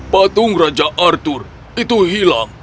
patung raja arthur itu hilang